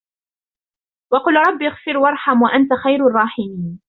وَقُلْ رَبِّ اغْفِرْ وَارْحَمْ وَأَنْتَ خَيْرُ الرَّاحِمِينَ